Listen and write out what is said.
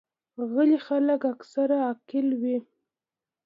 غلي خلک اکثره عاقل وي.